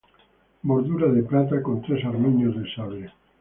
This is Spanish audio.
Bordura de plata, con tres armiños de sable.